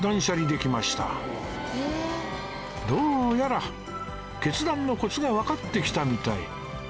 どうやら決断のコツがわかってきたみたい